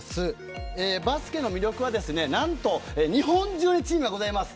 バスケの魅力は日本中にチームがあります。